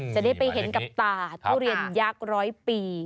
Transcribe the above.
จะได้ไปเห็นกับตาทุเรียนยักษ์ร้อยปี